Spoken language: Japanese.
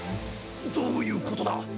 どういうことだ？